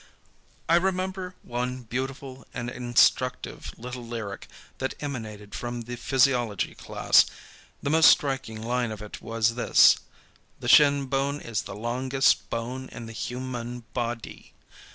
I remember one beautiful and instructive little lyric that emanated from the physiology class. The most striking line of it was this: "The shin bone is the long est bone in the hu man bod y."